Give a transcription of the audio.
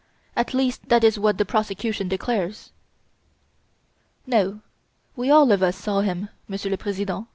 At least that is what the prosecution declares." "No! We all of us saw him, Monsieur le President!"